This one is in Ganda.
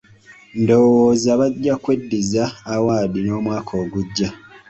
Ndowooza bajja kweddiza awaadi n'omwaka ogujja.